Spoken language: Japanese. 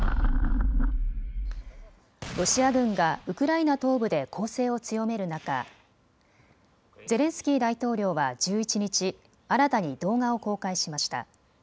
ロシア軍がウクライナ東部で攻勢を強める中、ゼレンスキー大統領は１１日、新たに動画を公開しました。